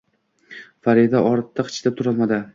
Farida ortiq chidab turolmadi